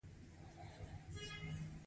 د کائناتي ویب فیلامنټونه لري.